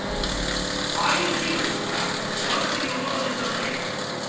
「ＩｏＴのことなら私にお任せください！」。